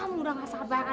tam udah gak sabaran